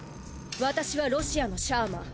私はロシアのシャーマン。